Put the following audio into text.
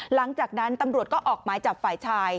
หลังจากนั้นตำรวจก็ออกหมายจับฝ่ายชาย